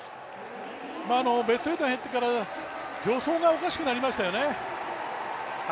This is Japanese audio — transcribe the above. ベスト８に入ってから助走がおかしくなりましたよね。